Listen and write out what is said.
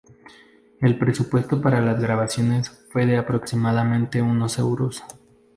El presupuesto para las grabaciones fue de aproximadamente unos euros.